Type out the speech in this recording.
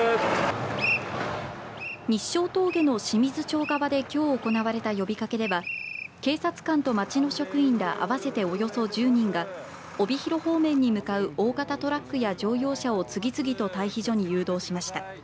日勝峠の清水町側できょう行われた呼びかけでは警察官と町の職員ら合わせておよそ１０人が帯広方面に向かう大型トラックや乗用車を次々と待避所に誘導しました。